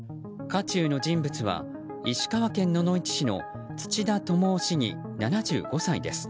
渦中の人物は石川県野々市市の土田友雄市議、７５歳です。